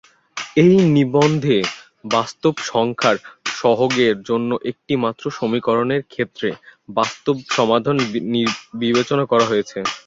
এই নিবন্ধে, বাস্তব সংখ্যার সহগের জন্য একটিমাত্র সমীকরণের ক্ষেত্রে, বাস্তব সমাধান বিবেচনা করা হয়েছে।